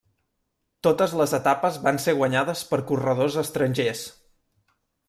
Totes les etapes van ser guanyades per corredors estrangers.